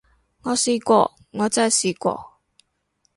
我試過，我真係試過